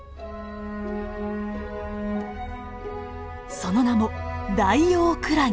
その名もダイオウクラゲ。